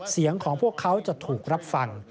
เสียงของพวกเขาจะถูกรับฟัง